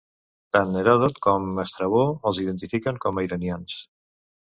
Tant Heròdot com Estrabó els identifiquen com a iranians.